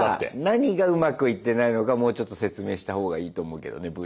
何がうまくいってないのかもうちょっと説明したほうがいいと思うけどねＶで。